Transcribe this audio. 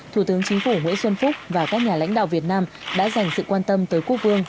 thủ tướng chính phủ nguyễn xuân phúc và các nhà lãnh đạo việt nam đã dành sự quan tâm tới quốc vương